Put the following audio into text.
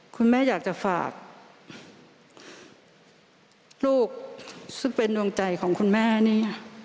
คุณแม่อยากจะฝากลูกซึ่งเป็นดวงใจของคุณแม่นี่